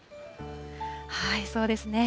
そうですね。